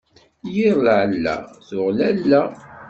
Yir lɛella tuɣ lalla.